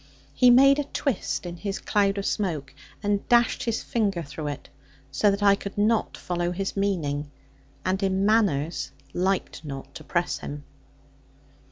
He made a twist in his cloud of smoke, and dashed his finger through it, so that I could not follow his meaning, and in manners liked not to press him.